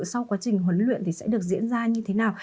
sau quá trình huấn luyện thì sẽ được diễn ra như thế nào